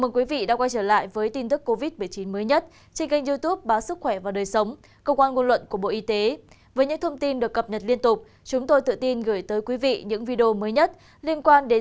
các bạn hãy đăng ký kênh để ủng hộ kênh của chúng mình nhé